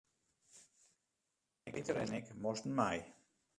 Piter en ik moasten mei.